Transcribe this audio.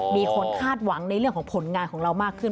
มีคนคาดหวังในเรื่องของผลงานของเรามากขึ้น